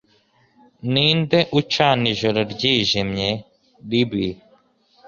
ninde ucana ijoro ryijimye, ribi